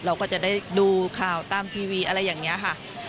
เราก็จะได้ดูข่าวตามทีวีอะไรอย่างนี้ค่ะ